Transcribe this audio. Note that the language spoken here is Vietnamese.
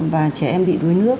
và trẻ em bị đuối nước